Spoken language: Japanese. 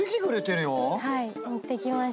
持ってきました。